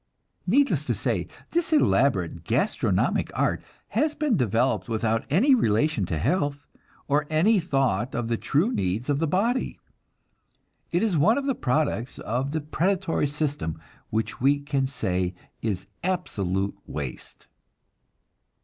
Needless to say, this elaborate gastronomic art has been developed without any relation to health, or any thought of the true needs of the body. It is one of the products of the predatory system which we can say is absolute waste.